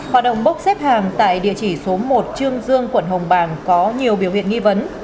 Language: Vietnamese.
hoạt động bốc xếp hàng tại địa chỉ số một trương dương quận hồng bàng có nhiều biểu hiện nghi vấn